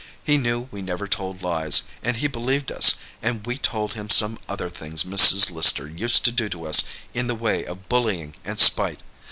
He knew we never told lies, and he believed us, and we told him some other things Mrs. Lister used to do to us in the way of bullying and spite.